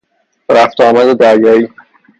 رفت و آمد دریایی